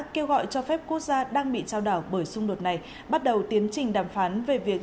kêu gọi cho phép quốc gia đang bị trao đảo bởi xung đột này bắt đầu tiến trình đàm phán về việc